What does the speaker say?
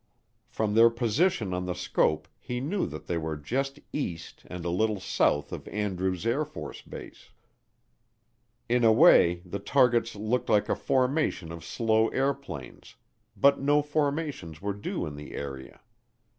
From their position on the scope he knew that they were just east and a little south of Andrews AFB. In a way the targets looked like a formation of slow airplanes, but no formations were due in the area.